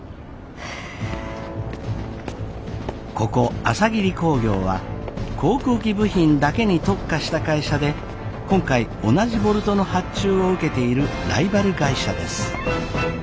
ここ朝霧工業は航空機部品だけに特化した会社で今回同じボルトの発注を受けているライバル会社です。